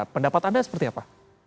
pendapat anda seperti apa